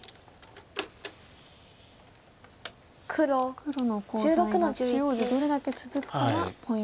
黒のコウ材が中央でどれだけ続くかがポイント。